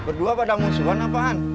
berdua pada musuhan apaan